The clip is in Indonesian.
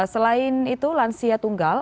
selain itu lansia tunggal